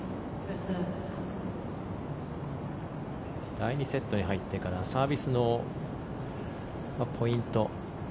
第２セットに入ってからサービスのポイント